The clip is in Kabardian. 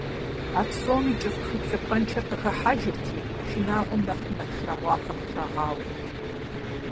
А псоми кӀыфӀ пхыплъыпӀэншэр къахыхьэжырти, шынагъуэм нэхъри нэхъ шынагъуэфэ къытрагъауэрт.